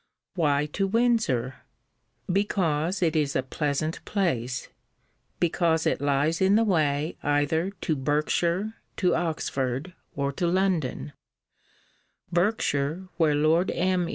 Why to Windsor? Because it is a pleasant place: because it lies in the way either to Berkshire, to Oxford, or to London: Berkshire, where Lord M.